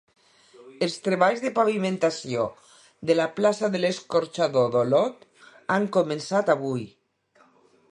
Els treballs de pavimentació de la plaça de l'Escorxador d'Olot han començat avui.